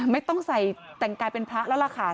ไม่ต้องใส่แต่งกายเป็นพระแล้วล่ะค่ะ